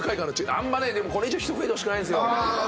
あんまねでもこれ以上人増えてほしくないんすよ。